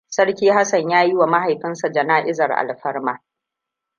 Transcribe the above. Sarki Hassan ya yiwa mahaifinsa jana'izar alfarma.